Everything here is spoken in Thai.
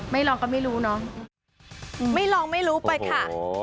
ไม่ลองไม่รู้ไปค่ะ